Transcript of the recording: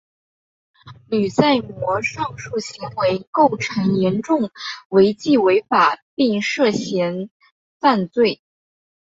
吕在模上述行为构成严重违纪违法并涉嫌犯罪。